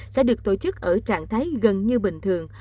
sẽ được tổ chức ở trạng thái gần như bình thường